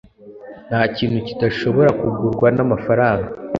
Ntakintu kidashobora kugurwa namafaranga